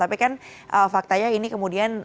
tapi kan faktanya ini kemudian